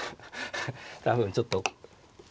多分ちょっと。